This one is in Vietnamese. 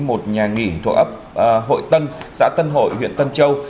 một nhà nghỉ thuộc ấp hội tân xã tân hội huyện tân châu